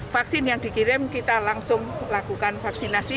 vaksin yang dikirim kita langsung lakukan vaksinasi